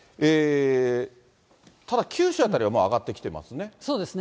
ただ九州辺りはもう上がってきてますね。